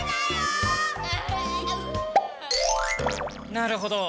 なるほど。